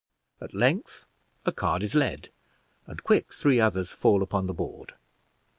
At length a card is led, and quick three others fall upon the board.